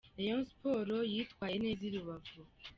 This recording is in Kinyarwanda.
Rayon Sports yitwaye neza i Rubavu.